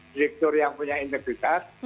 direktur yang punya integritas